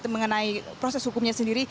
mengenai proses hukumnya sendiri